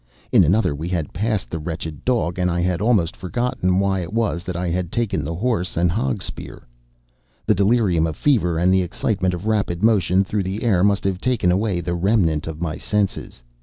In another we had passed the wretched dog, and I had almost forgotten why it was that I had taken the horse and hogspear. The delirium of fever and the excitement of rapid motion through the air must have taken away the remnant of my senses.